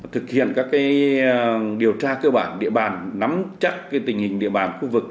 thực hiện các điều tra cơ bản địa bàn nắm chắc tình hình địa bàn khu vực